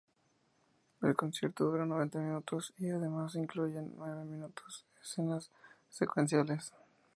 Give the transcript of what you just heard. El concierto dura noventa minutos y además incluyen nueve minutos escenas secuenciales.